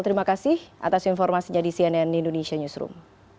terima kasih atas informasinya di cnn indonesia newsroom